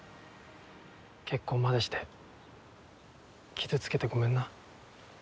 結婚までして傷付けてごめんな。